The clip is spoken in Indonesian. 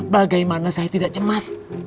bagaimana saya tidak cemas